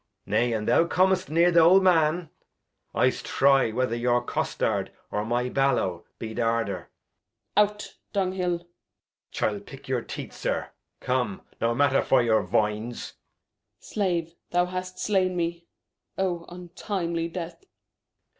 Nay, an' thou com'st near th' old Man, I'st try whether your Costard, or my Ballow be th' harder. Gent. Out Dunghil. Edg. ChiU pick your Teeth, Zir ; come, no Matter vor your Voines. Gent. Slave, thou hast slain me ; oh, untimely Death